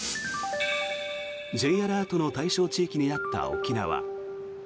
Ｊアラートの対象地域になった沖縄。